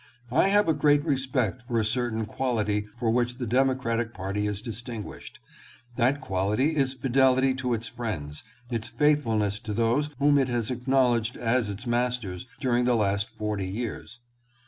I have a great respect for a certain quality for which the Democratic party is distinguished. That quality is fidelity to its friends, its faithfulness to those whom it has acknowledged as its masters during the last forty years.